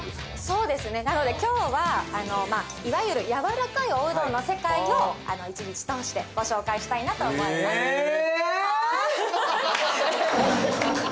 そうですねなので今日はいわゆる柔らかいおうどんの世界を一日通してご紹介したいなと思いますええー？